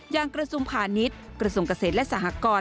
อย่างกระทรวงพาณิชย์กระทรวงเกษตรและสหกร